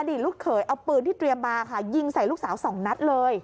อดีตลูกเขยเอาปืนที่เตรียมมายิงใส่ลูกสาว๒นัดเลย